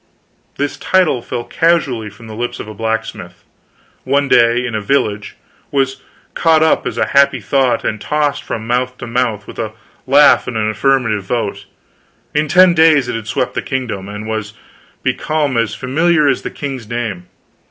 This title fell casually from the lips of a blacksmith, one day, in a village, was caught up as a happy thought and tossed from mouth to mouth with a laugh and an affirmative vote; in ten days it had swept the kingdom, and was become as familiar as the king's name.